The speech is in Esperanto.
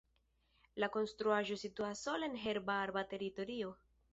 La konstruaĵo situas sola en herba-arba teritorio.